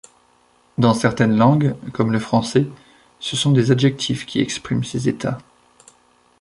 Dans certaines langues, comme le français, ce sont des adjectifs qui expriment ces états.